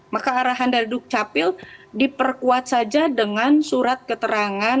maka arahan dari dukcapil diperkuat saja dengan surat keterangan